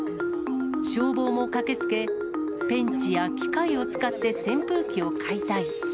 消防も駆けつけ、ペンチや機械を使って扇風機を解体。